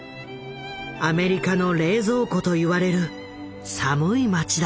「アメリカの冷蔵庫」と言われる寒い町だ。